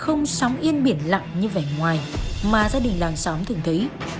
không sóng yên biển lặng như vẻ ngoài mà gia đình làng xóm thường thấy